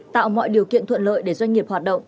tạo mọi điều kiện thuận lợi để doanh nghiệp hoạt động